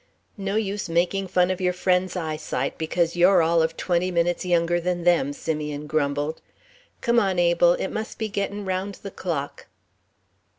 "No use making fun of your friends' eyesight because you're all of twenty minutes younger than them," Simeon grumbled. "Come on, Abel. It must be gettin' round the clock."